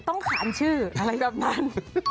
ต้องขานชื่ออะไรกับมัน